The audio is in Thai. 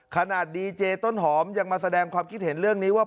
ดีเจต้นหอมยังมาแสดงความคิดเห็นเรื่องนี้ว่า